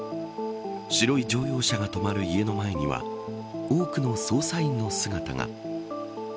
白い乗用車が止まる家の前には多くの捜査員の姿が。